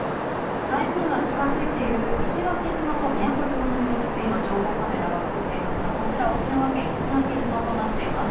台風が近づいている石垣島と宮古島の様子を今、情報カメラが映していますがこれが沖縄県石垣島です。